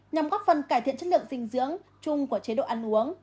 nhằm góp phần cải thiện chất lượng dinh dưỡng chung của chế độ ăn uống